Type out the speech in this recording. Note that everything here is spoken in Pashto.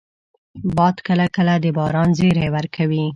باد کله کله د باران زېری وي